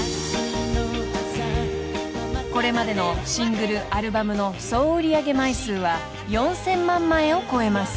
［これまでのシングルアルバムの総売上枚数は４，０００万枚を超えます］